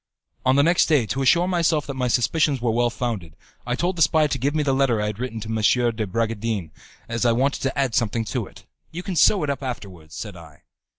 On the next day, to assure myself that my suspicions were well founded, I told the spy to give me the letter I had written to M. de Bragadin as I wanted to add something to it. "You can sew it up afterwards," said I.